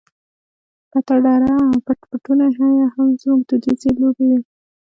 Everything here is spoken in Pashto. پټه دره او پټ پټونی یې هم زموږ دودیزې لوبې وې.